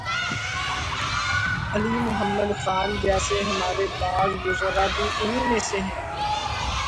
علی محمد خان جیسے ہمارے بعض وزرا بھی انہی میں سے ہیں۔